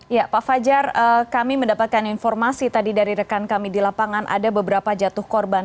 ya pak fajar kami mendapatkan informasi tadi dari rekan kami di lapangan ada beberapa jatuh korban